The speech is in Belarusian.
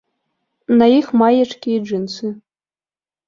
На іх маечкі і джынсы.